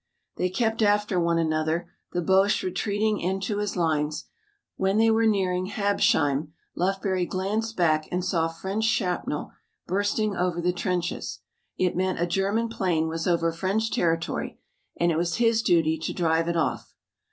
They kept after one another, the Boche retreating into his lines. When they were nearing Habsheim, Lufbery glanced back and saw French shrapnel bursting over the trenches. It meant a German plane was over French territory and it was his duty to drive it off.